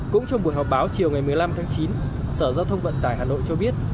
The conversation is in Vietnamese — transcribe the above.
cũng trong buổi họp báo chiều ngày một mươi năm tháng chín sở giao thông vận tải hà nội cho biết